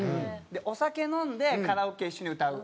お酒飲んでカラオケ一緒に歌う。